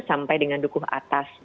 sampai dengan dukungan